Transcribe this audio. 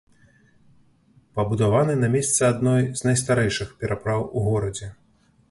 Пабудаваны на месцы адной з найстарэйшых перапраў у горадзе.